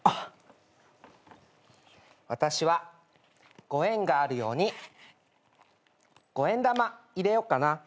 私はご縁があるように五円玉入れよっかな。